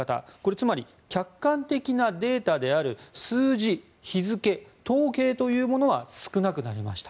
つまり客観的なデータである数字、日付、統計というものは少なくなりました。